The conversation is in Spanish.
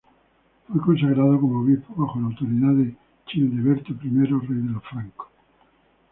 Fue consagrado como obispo bajo la autoridad de Childeberto I, rey de los francos.